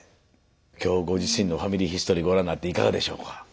今日ご自身の「ファミリーヒストリー」ご覧になっていかがでしょうか？